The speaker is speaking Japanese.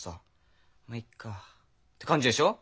「まいっか」って感じでしょう？